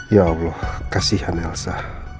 ya allah kasihan elsa